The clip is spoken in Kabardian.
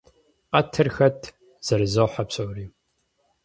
- Къэтыр хэт?! – зэрызохьэ псори.